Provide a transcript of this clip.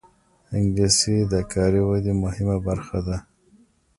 انګلیسي د کاري ودې مهمه برخه ده